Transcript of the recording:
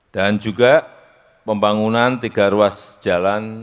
dan juga pembangunan tiga ruas jalan